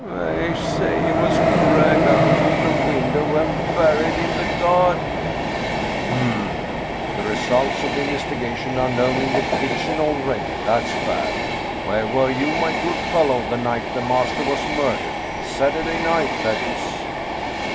" They say he was dragged out of the window and buried in the garden !"" Hum ! The results of the investigation are known in the kitchen already! That's bad! Where were you, my good fellow, the night the master was murdered? Satur day night, that is."